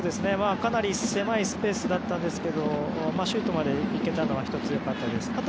かなり狭いスペースだったんですけれどもシュートまでいけたのは良かったです。